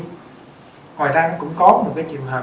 ngoài ra cũng có một cái trường hợp